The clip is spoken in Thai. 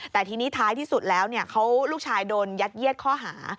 แต่ทีนี้ท้ายที่สุดแล้วลูกชายโดนยัดเยียดข้อหา